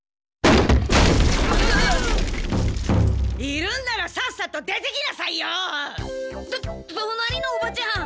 いるんならさっさと出てきなさいよ！と隣のおばちゃん！